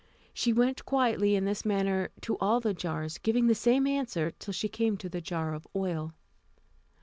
She went quietly in this manner to all the jars, giving the same answer, till she came to the jar of oil.